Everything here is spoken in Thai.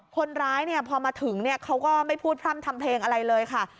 คนร้ายพอมาถึงเขาก็ไม่พูดพร่ำทำเพลงอะไรเลยค่ะ